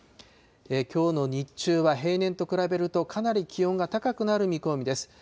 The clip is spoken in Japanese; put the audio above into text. きょうの日中は平年と比べると、かなり気温が高くなる見込みです。